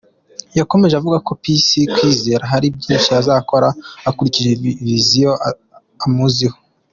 Yakomeje avuga ko Peace Kwizera hari byinshi azakora akurikije vision amuziho.